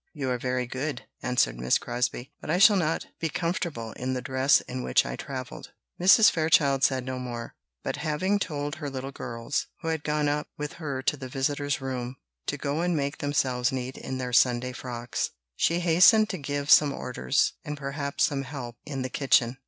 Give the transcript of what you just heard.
"You are very good," answered Miss Crosbie, "but I shall not be comfortable in the dress in which I travelled." Mrs. Fairchild said no more; but having told her little girls, who had gone up with her to the visitor's room, to go and make themselves neat in their Sunday frocks, she hastened to give some orders, and perhaps some help, in the kitchen.